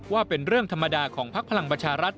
ว่าเป็นเรื่องธรรมดาของภักดิ์พลังบัชรัฐ